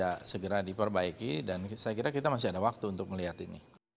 ya segera diperbaiki dan saya kira kita masih ada waktu untuk melihat ini